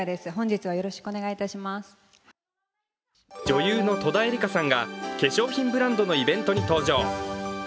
女優の戸田恵梨香さんが化粧品ブランドのイベントに登場。